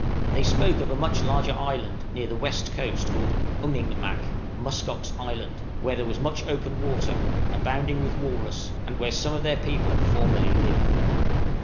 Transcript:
They spoke much of a large island near the west coast called "Umingmak" (musk ox) Island, where there was much open water, abounding with walrus, and where some of their people formerly lived.